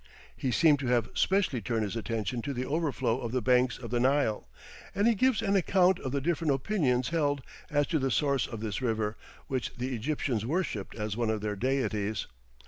He seems to have specially turned his attention to the overflow of the banks of the Nile, and he gives an account of the different opinions held as to the source of this river, which the Egyptians worshipped as one of their deities.